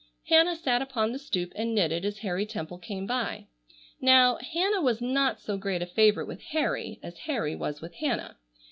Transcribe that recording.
Hannah sat upon the stoop and knitted as Harry Temple came by. Now, Hannah was not so great a favorite with Harry as Harry was with Hannah.